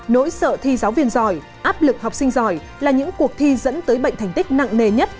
nỗi sợ thi giáo viên giỏi áp lực học sinh giỏi là những cuộc thi dẫn tới bệnh thành tích nặng nề nhất